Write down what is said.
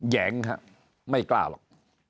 แหงครับไม่กล้าหรอก